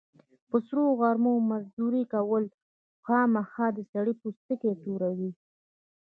په سرو غرمو مزدوري کول، خوامخا د سړي پوستکی توروي.